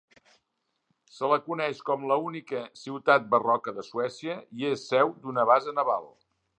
Se la coneix com l'única ciutat barroca de Suècia i és seu d'una base naval.